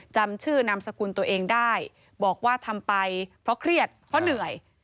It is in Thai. จำชื่อนามสกุลตัวเองได้บอกว่าทำไปเพราะเครียดเพราะเหนื่อย